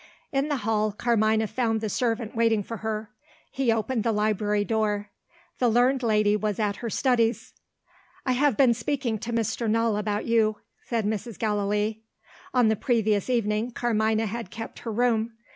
In the hall, Carmina found the servant waiting for her. He opened the library door. The learned lady was at her studies. "I have been speaking to Mr. Null about you," said Mrs. Gallilee. On the previous evening, Carmina had kept her room.